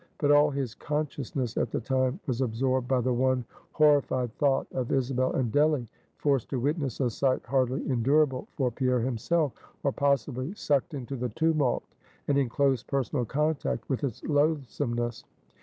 But all his consciousness at the time was absorbed by the one horrified thought of Isabel and Delly, forced to witness a sight hardly endurable for Pierre himself; or, possibly, sucked into the tumult, and in close personal contact with its loathsomeness.